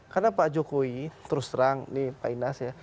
karena pak jokowi terus terang pak inas ya